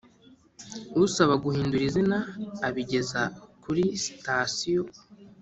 usaba guhindura izina abigeza kuri sitasiyo